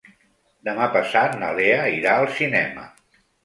Demà passat na Lea irà al cinema.